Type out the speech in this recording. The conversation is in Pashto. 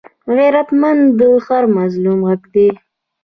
غیرتمند د هر مظلوم غږ دی